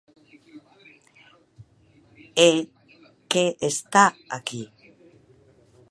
É que está aquí.